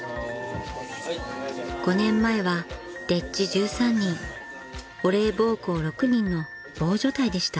［５年前は丁稚１３人お礼奉公６人の大所帯でした］